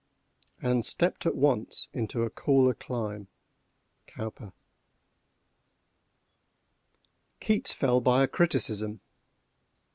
And stepped at once into a cooler clime.—Cowper. Keats fell by a criticism.